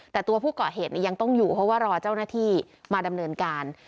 แต่ตัวผู้ก่อเหตุยังต้องอยู่เพราะว่ารอเจ้าหน้าที่มาดำเนินการ